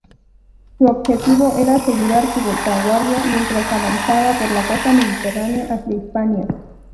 Su objetivo era asegurar su retaguardia mientras avanzaba por la costa mediterránea hacia Hispania.